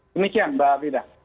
demikian mbak arvinda